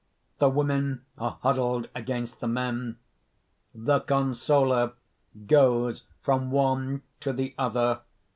_ The women are huddled against the men.) THE CONSOLER (_goes from one to the other.